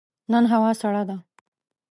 نن هوا سړه ده.